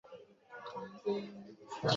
唐军兵至大非川。